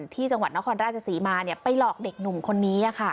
ที่จังหวัดนครราชศรีมาไปหลอกเด็กหนุ่มคนนี้